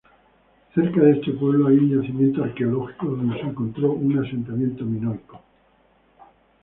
Cerca de este pueblo hay un yacimiento arqueológico donde se encontró un asentamiento minoico.